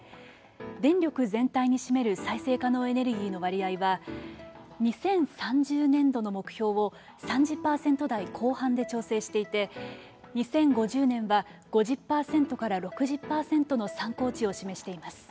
電力全体に占める再生可能エネルギーの割合は２０３０年度の目標を３０％台後半で調整していて２０５０年は５０６０％の参考値を示しています。